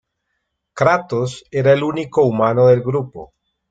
Kratos era el único humano del grupo.